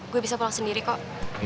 gue bisa pulang sendiri kok